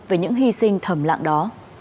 về những hy sinh thầm lạng đó